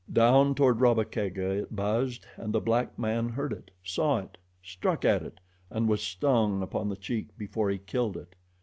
Down toward Rabba Kega it buzzed and the black man heard it, saw it, struck at it, and was stung upon the cheek before he killed it.